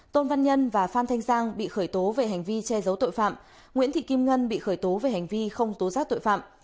tôn văn nhân và phan thanh giang bị khởi tố về hành vi che giấu tội phạm nguyễn thị kim ngân bị khởi tố về hành vi không tố giác tội phạm